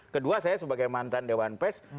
kedua saya sebagai mantan dewan pes